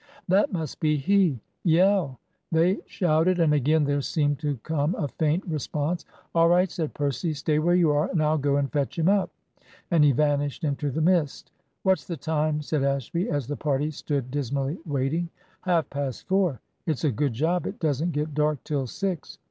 "That must be he. Yell!" They shouted, and again there seemed to come a faint response. "All right," said Percy. "Stay where you are, and I'll go and fetch him up." And he vanished into the mist. "What's the time?" said Ashby, as the party stood dismally waiting. "Half past four. It's a good job it doesn't get dark till six."